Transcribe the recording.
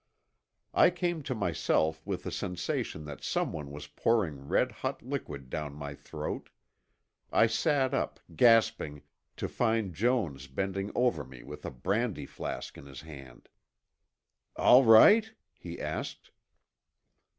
I came to myself with the sensation that someone was pouring red hot liquid down my throat. I sat up, gasping, to find Jones bending over me with a brandy flask in his hand. "All right?" he asked.